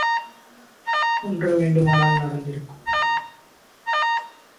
ஒன்று வேண்டுமானால் நடந்திருக்கும்.